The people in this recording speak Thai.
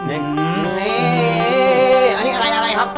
อันนี้อะไรครับ